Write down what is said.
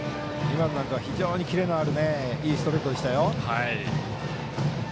今のなんかは非常にキレのあるいいストレートでした。